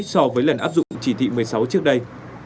so với lần áp dụng chỉ thị một mươi sáu trước đây